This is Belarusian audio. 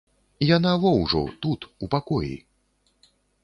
Яна во ўжо тут, у пакоі.